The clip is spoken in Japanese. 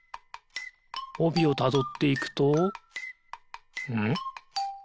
おびをたどっていくとんっ？